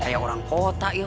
kayak orang kota ya